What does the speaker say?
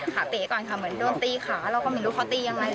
เป๋ก่อนค่ะเหมือนโดนตีขาเราก็ไม่รู้เขาตียังไง